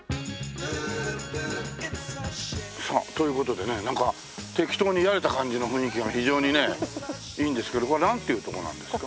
さあという事でねなんか適当にやれた感じの雰囲気が非常にいいんですけどここはなんていう所なんですか？